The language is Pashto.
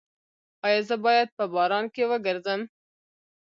ایا زه باید په باران کې وګرځم؟